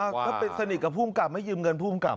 อ้าวเขาเป็นสนิทกับผู้กำกับไม่ยืมเงินผู้กำกับ